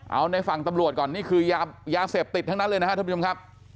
เอาในฝั่งตำรวจก่อนนี่คือยาเสพติดทั้งนั้นเลยนะครับท่านผู้ชมครับ